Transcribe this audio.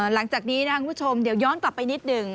หลังจากนี้นะครับคุณผู้ชมเดี๋ยวย้อนกลับไปนิดหนึ่ง